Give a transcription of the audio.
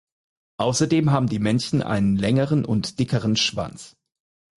Außerdem haben die Männchen einen längeren und dickeren Schwanz.